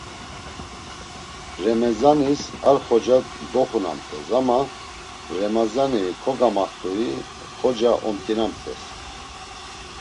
Remezanis ar xoca doxunamt̆es ama Remezani kogamaxt̆ui xoca omt̆inamt̆es.